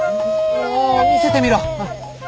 も見せてみろ